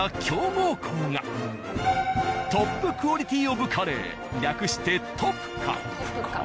トップクオリティ・オブ・カレー略して「トプカ」。